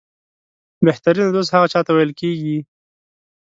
بهترینه دوست هغه چاته ویل کېږي